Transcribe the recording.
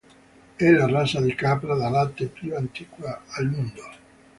È la razza di capra da latte più antica al mondo.